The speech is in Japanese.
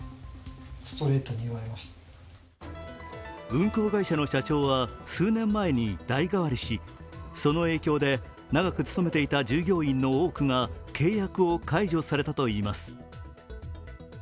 運航会社の社長は数年前に代替わりしその影響で、長く勤めていた従業員の多くが契約を解除されたといいます。